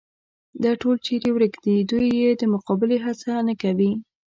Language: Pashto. دا ټول چېرې ورک دي، دوی یې د مقابلې هڅه نه کوي.